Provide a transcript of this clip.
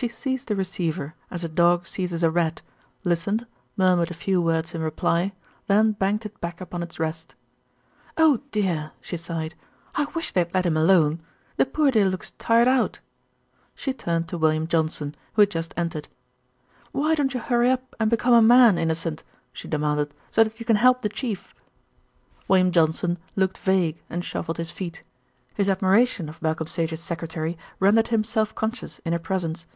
She seized the receiver as a dog seizes a rat, listened, murmured a few words in reply, then banged it back upon its rest. "Oh dear!" she sighed. "I wish they'd let him alone. The poor dear looks tired out." She turned to William Johnson, who had just entered. "Why don't you hurry up and become a man, Innocent," she demanded, "so that you can help the Chief?" William Johnson looked vague and shuffled his feet. His admiration of Malcolm Sage's secretary rendered him self conscious in her presence.